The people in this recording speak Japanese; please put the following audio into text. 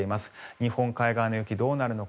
日本海側の雪、どうなるのか。